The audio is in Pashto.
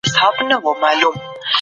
غرنۍ مېږه 🐏